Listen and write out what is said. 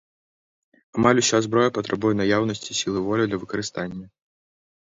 Амаль уся зброя патрабуе наяўнасці сілы волі для выкарыстання.